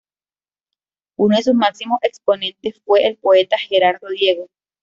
Uno de sus máximos exponentes fue el poeta Gerardo Diego.